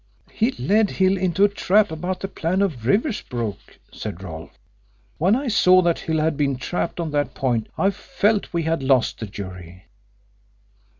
"He led Hill into a trap about the plan of Riversbrook," said Rolfe. "When I saw that Hill had been trapped on that point I felt we had lost the jury."